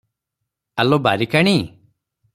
ଆଲୋ ବାରିକାଣି!